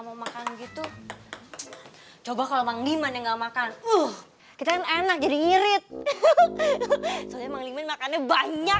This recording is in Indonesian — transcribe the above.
mau makan gitu coba kalau mang liman enggak makan uh kita enak jadi ngirit makannya banyak